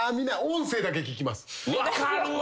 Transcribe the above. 分かるわ。